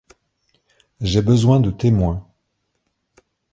J’ai besoin de témoins.